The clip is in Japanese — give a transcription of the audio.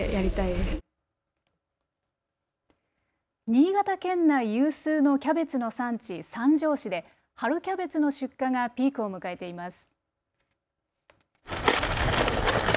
新潟県内有数のキャベツの産地、三条市で春キャベツの出荷がピークを迎えています。